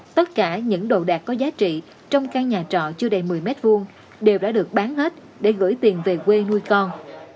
tất cả những đồ đạc có giá trị trong căn nhà trọ chưa đầy một mươi m hai đều đã được bán hết để gửi tiền về quê nuôi con